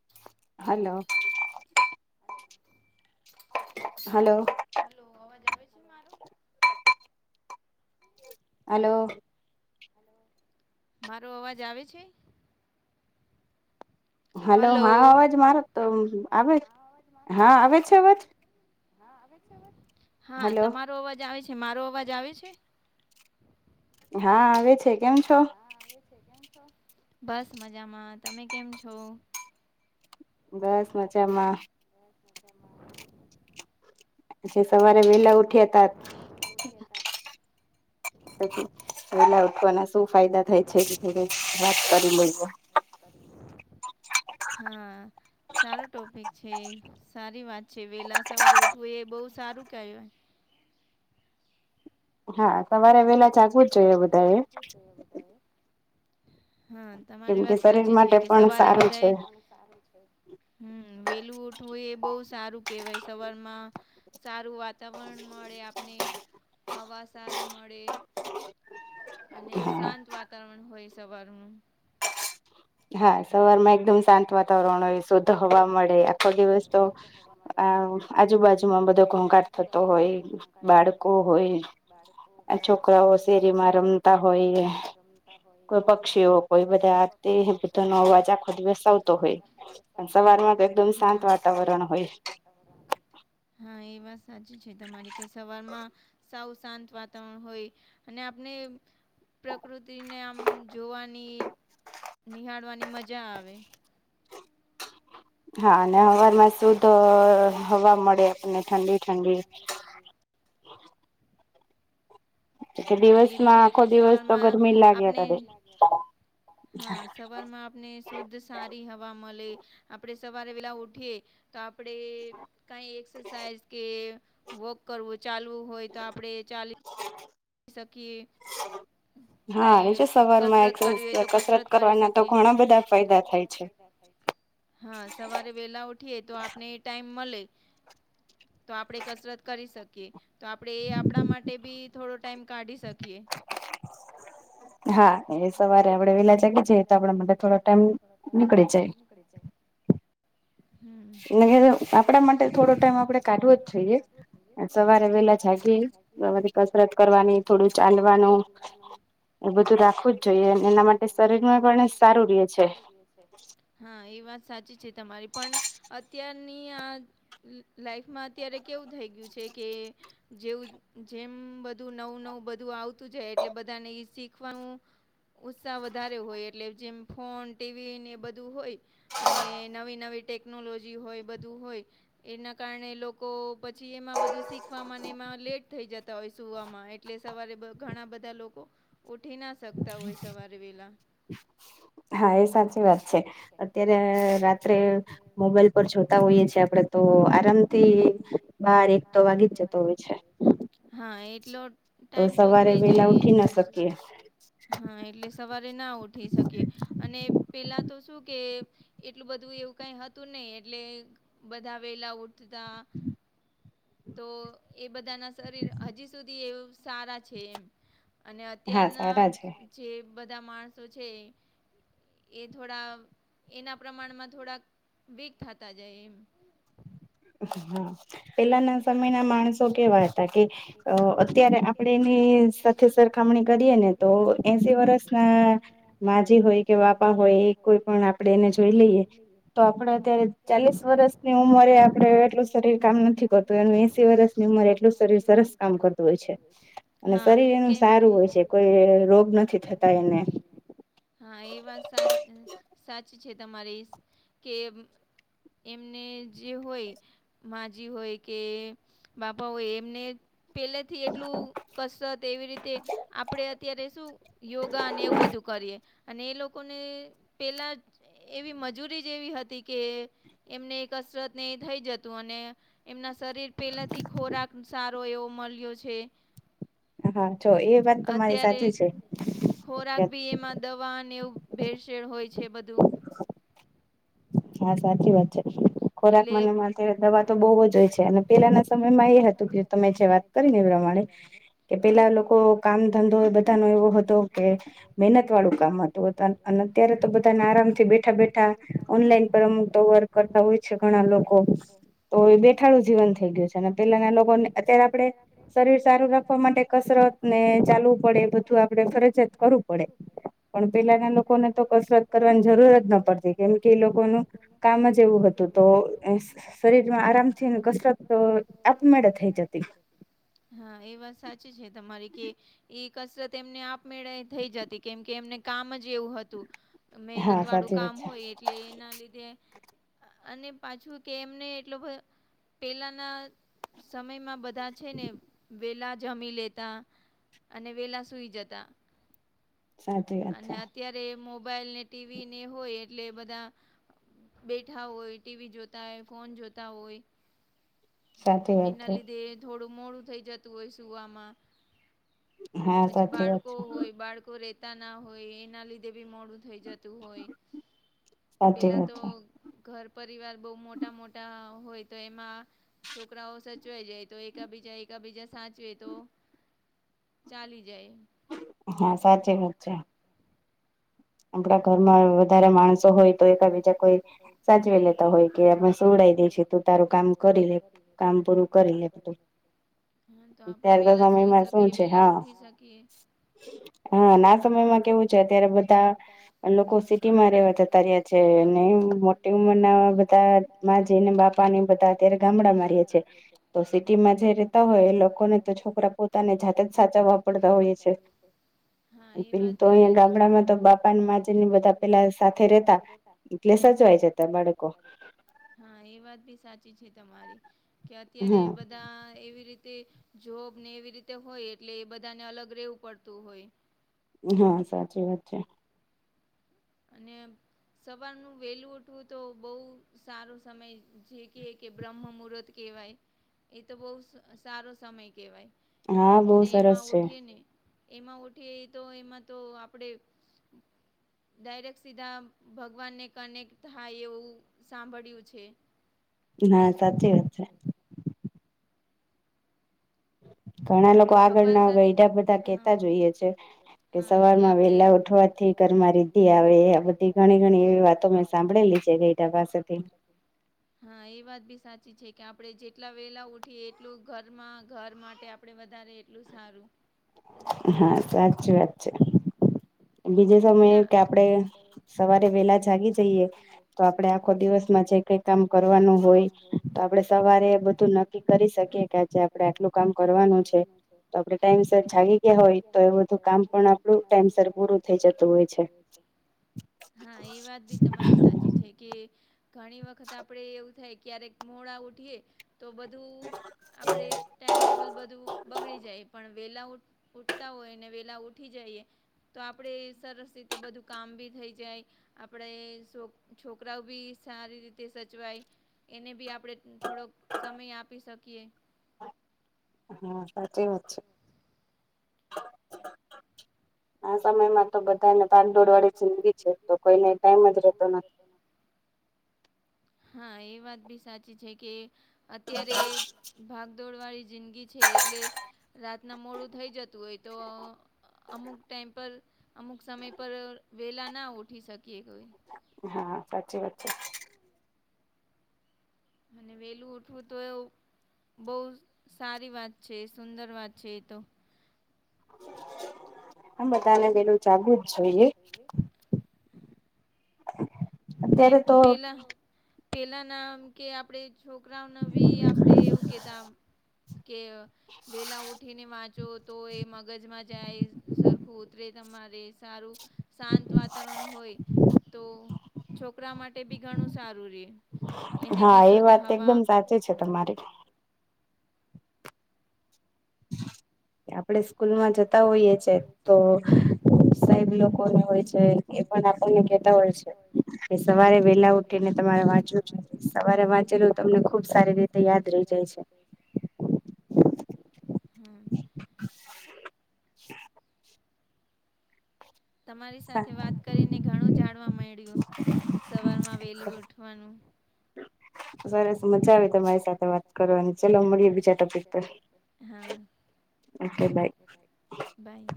[inaudible] Hello hello hello અવાજ આવે છે મારો હલો મારો અવાજ આવે છે હલો હા અવાજ મારો તો આવે હા આવે છે અવાજ હા તમારો અવાજ આવે છે મારો અવાજ આવે છે હા આવે છે કેમ છો છ બસ મજામાં તમે કેમ છો બસ મજામાં બ સવારે મલા ઉઠ લે ઉઠ પછી વેલા ઉઠવાના શું ફાયદા થાય છે કે વાત કરી લ હા સારો ટોપિક છે સારી વાત છે વેલા સવારે ઉઠવું એ બહ સારું કેયય હા સવારે વહેલા ચખવું જ જોઈએ બધા એ હા તમારી વાત સાચી છે કે સવારે બધા હમ વેલું ઉઠવુંય એ બહુ સારું કેહેવાય સવારમાં સારું વાતાવરણ મળે આપને હવા સારી મળે અને શાંત વાતાવરણ હોય સવારનું હા સવારમાં એકદમ શાંત વા વાતાવરણ શુદ્ધ હવા મળે આખો દિવસ તો આ આજુબાજુમાં બધો ઘોંઘાટ થતો હોય બાળકો હોય છોકરાઓ શેરીમારમ હોય કોઈ પક્ષીઓ કોઈ બધા એ હ ભી તો નવવાજા ખો દ બે સાૌ તો હોય પણ સવાર માં તો એકદમ શાંત વાતાવરણ હોય હા એ વાત સાચી છે તમારી કઈ સવારમાં સાવ શાંત વાતાવરણ હોય અને આપણે પ્રકૃતિને આમ જોવાની નિહાળવાની મજા આવે હા અને હવામાં શુદ્ધ હવા મળે આપને ઠંડી ઠંડી હા એ છે કે સવારમાં આપણે હા સરમાં આપણે શુદ્ધ સારી હવા મળે આપણે સવારે વેલા ઉઠીએ તો આપણે કાંઈ એક્સરસાઇઝ કે વોક કરવું ચાલવું હોય તો આપડે ચાલી હ [inaudible] શકીએ. હા એ છે સવારમાં કસરત કરવાના તો ઘણા બધાં ફાયદા થાય છે. હા સવારે વેલા ઉઠીએ તો આપને એ ટાઈમ મલે તો આપણે કસરત કરી શકીએ તો આપણે એ આપણા માટે બી થોડો ટાઈમ કાઢી શકીએ. હા એ સવારે આપડે વેલા જાગી જઈએ તો આપડ માટે થોડો ટાઈમ નીકળી જાય. નીકળી જાય. હ [unintelligible] મેં કીધું આપડા માટે થોડો ટાઈમ આપડે કાઢવો જ જોઈએ સવારે વેલા જાગીએ હ [unintelligible] બધી કસરત કરવાની થોડું ચાલવાનું એ બધું રાખવું જ જોઈએ અને એના માટે શરીરને પણ સારું રે છે. એ છે હા એ વાત સાચી છે તમારી પણ અત્યારની આ લાાઈફમાં અત્યારે કેવું થઈ ગયું છે કે જેવું જેમ બ બધું નવું નવું બધું આવતું જાય એટલે બધાને ઈ શીખવાનું ઉત્સાહ વધારે હોય એટલે જેમ ફોન ટીવીને એ બધું હોય અને નવી નવી ટેકનોલોજી હોય બધું હોય. એના કારણે લોકો પછી એમાં બધું શીખવામાં એમાં લેટ થઈ જતા હોય છે. સુવામાં એટલે સવારે બ ઘણાં બધાં લોકો ઉઠી ના શકતાં હોય સવારે વેલા હા એ સાચી વાત છે અત્યારે રાત્રે મોબાઈલ પર જોતા હોઈએ છે આપડે તો આરામથી બાર એક તો વાગી જ જતો હોય છે. હા એટલો ટાઈમ તો થઈ જાય એક હા એટલે સવારે ના ઉઠી શકે અને પેલા તો શું કે એટલું બધું એવું કઈ હતું નઈ એટલે બધા વેલા ઉઠતાં તો એ બધાનાં શરીર હજી સુધી એવું સારા છે એમ અને અત્યારનાં જે બધાં માણસો છે. એ થોડા એના પ્રમાણમાં થોડાક વીક થતા જાય એમ અછા હા [inaudible] પેલા ના સમયના માણસો કેવા હતા કે અ અત્યારે આપણેની સાથે સર ખામણી કરીએ ને તો એસી વર્ષ ના માજી હોય કે બાપા હોય કોઈ પણ આપણે એને જોઈ લઈએ તો આપડે અત્યારે ચાલીસ વર્ષની ઉંમરે આપળે એટલું સારી કામ નથી કરતું એનું એસી વર્ષની ઉંમર એટલું શરીર સરસ કામ કરતું હોય છે, અને શરીર એનું સારું હોય છે. કોઈ રોગ નથી થતા એને. હા એ વા સારી સાચી છી તમારી કે એમને જે હોય માજી હોય કે બાપાઓ એમને પેલે થી એટલું કસરત એવી રીતે આપડે અત્યારે શું યોગા અને એવું બધું કરીએ. અને એ લોકોને પેલા એવી મજૂરી જ એવી હતી કે એમને કસરત ને થઈ જતું અને એમના શરીર પહેલાથી ખોરાક સારો એવો મલ્યો છે. હા જો એ વાત તમારી સાચી છે. ખોરાક ભી એમાં દવાને એવું ભેળસેેળ હોય છે બધું હા સાચી વાત છે ખોરાક મને માટે દવા તો બહુ જ હોય છે અને પેલાના સમયમાં એ હતું કે તમે જે વાત કરીને પ્રમાણે કે પેલા લોકો કામ ધંધો બધાનો એવો હતો કે મહેનત વાળું કામ હતું [unintelligible] અને અત્યારે તો બધાને આરામથી બેઠાં બેઠાં બેઠા ઓનલાઇન તો વર્ક કરતા હોય છે ઘણા લોકો તો એ બેઠાડું જીવન થઈ ગયું છે અને પેલાના લોકોને અત્યારે આ આપળે શરીર સારું રાખવા માટે કસરત ને ચાલવું પડે બધું આપળે ફરજિયાત કરવું પડે. પણ પેલાના લોકોને તો કસરત કરવાની જરૂર જ ન પડતી કેમ કે એ લોકોનું કામ જ એવું હતું તો શરીરમાં આરામથી કસરત તો આપમેળે થઈ જત. હા એ વાત સાચી છે તમારી કે ઈ કસરત એમને આપમેળા થય જતી, કેમ કે એમને કામ જ એવું હતું. મેનત વાળું કામ હોય એટલે એના લીધે અને પાછું કે એમને એટલો ભ પેલાના સમયમાં બ ધા છે ને વેલા જમી લેતા, અને વેલા સૂઈ જતા. સાચી વાત છે. અત્યારે મોબાઈલ ને ટીવીને હોય એટલે બધા બેઠા હોય, ટીવી જોતા હોય, ફોન જોતા હોય એના લીધે થોડું મોડું થઈ જતું હોય સુૂવામાં પછી બાળકો હોય, બાળકો રેતા ના હોય એના લીધે બી મોડું થઈ જતું હોય પેલા તો ઘર પરિવાર બો મોટા મોટા હોય તો એમાં છોકરાઓ સચવાઈ જાય તો એકા બીજા એકા બીજા સાચવે તો ચાલી જાય. હ સાચી વાત છે. આપળા ઘરમાં વધારે માણસો હોય તો એકા બીજા કોઈ સાચવી લેતા હોય કે અમે સુવડાઈ દે છે તું તારું કામ કરી લે, કામ પૂરું કરી લે તું હા તો આપળે વેલા સુઈ શકીએ, વેલા ઉઠી શકીએ. હા ના સમયમાં કેવું છે અત્યારે બધા અન સિટી માં રેવા જતા રિયા છે ને મોટી ઉંમર ના બધા માજી ને બાપા ને બધા ત્યારે ગામડામાં રીએ છે, તો સિટીમાં જે રેતા હોય એ લોકોને તો છોકરા પો તને જાતે જ સાચાવા પડતા હોઈએ છે. હા એ વાત બી સાચી છે તમારી. પણ માજીને બધા પેલા સાથે રેતા એટલે સચવાય જતા બાળકો. હા એ વાત બી સાચી છે તમારી કે અત્યારે બધા એવી રીતે જોબ ને એવી રીતે હોય એટલે એ બધાને અલગ રહેવું પડતું હોય. હા સાચી વાત છે. અને સવારનું વેલું ઉઠવું તો બોવ સારું સમય જે કેય કે બ્રહ્મ મુહૂર્ત કહેવાય એ તો બોવ સ સારો સમય કેવાય, ને એમાં ઉઠીએ ને એમાં ઉઠીએ તો એમાં તો આપડે ડાયરેક્ટ સીધા ભગવાનને કનેક્ટ થાય એવું સાંભળ્યું છે. હા સાચી વાત છે. [inaudible] આપળે ભગવાન સાથે હા, હા કે આપળે [unintelligible] ઘરમાં રીધી આવે બધી ઘણી ઘણી એવી વાતો સાંભળેલી છે જે [inaudible] હા એ વાત ભી સાચી છે કે આપળે જેટલા વેલા ઉઠીએ એટલું ઘરમાં ઘર માટે આ આપડે વધારે એટલું સારું. હા સાચી વાત છે. [inaudible] બીજે સમયે કે આપણે સવારે વેલા જાગી જઈએ. તો આપળે આખો દિવસમાં જે કઈ કામ કરવાનું હોય તો આપણે સવારે બધું નક્કી કરી શકીએ કે. કે આપડે આટલું કામ કર વાનું છે તો આપળે ટાઈમ સર જાગી ગીયા હોય તો એ બધું કામ પણ આપળુ ટાઈમ સર. [inaudible] હા એ વાત બી તમારી સાચી છે કે. ઘણી વખત આપળે એવું થાય ક્યારેક મોળા ઉઠીએ તો બધું આપણે ટાઈમ બગડી જાય પણ વેલા ઉઠ ઉઠતા હોય ને વેલા ઉઠી જઈએ તો આપડે સરસ રીતે બધું કામ બી થઈ જાય. આપણે છો છોકરાઓ બી સારી રીતે સચવાય એને બી આપણે થોડોક સમય આપી શકીએ. હા સાચી વાત છે. આ સમયમાં તો બધાને ભાગદોડ વાળી જિંદગી છે તો કોઈને ટાઈમ જ રેતો નથી. હા એ વાત બી સાચી છે કે અત્યારે ભાગ દોડવાળી જિંદગી છે એટલે રાતના મોડું થઈ જતું હોય તો અમુક ટાઈમ પર અમુક સમય પર વેલા ના ઉઠી શકીએ કોઈ. હા સાચી વાત છે. અને વેલું ઉઠવું તો એવું બહુ સારી વાત છે સુંદર વાત છે એ તો આ બધાને વહેલું જાગવું જ જોઈએ. ને પેલા પેલા નામ કે આપણેે છોકરાઓને બી આપણેે એવું કેતા કે વેલા ઉઠીને વા જો તો એ મગજમાં જાય સરખું ઉતરે તમારે સારું શાંત વાતાવરણ હોય તો છોકરા માટે બી ઘણું સારું રહે. એને બી શુદ્ધ હવા આપણે સ્કૂલમાં જતા હોઈએ છે તો સાહેબ લોકોને હોય છે. એ પણ આપણને કેતા હોય છે કે સવારે વેલા ઉઠી ને તમારે વાંચવું છે. સવારે વાંચેલું તમને ખુબ સારી રીતે યાદ રહી જાય છે. હમ. [inaudible] તમારી સાથે વાત કરીને ઘણું જાણવા મળ્યું સવારમાં વેલું ઉઠવાનું. [inaudible] સરસ મજા આવે તમારી સાથે વાત કરવાની ચલો મળીએ બીજા ટોપિક પર. Okay bye. બાય.